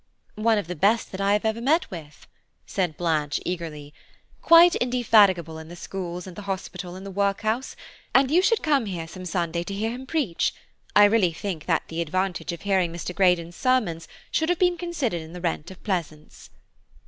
"One of the best I have ever met with," said Blanche, eagerly, "quite indefatigable in the schools and the hospital and the workhouse, and you should come here some Sunday to hear him preach–I really think that the advantage of hearing Mr. Greydon's sermons should have been considered in the rent of Pleasance."